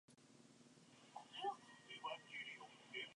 我們學校的學生不是沒有規矩而已